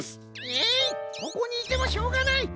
えいここにいてもしょうがない！